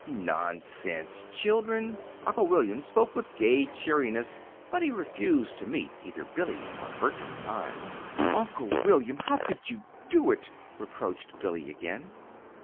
"Nonsense, children!" Uncle William spoke with gay cheeriness; but he refused to meet either Billy's or Bertram's eyes. "Uncle William, how could you do it?" reproached Billy, again.